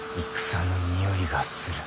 戦のにおいがする。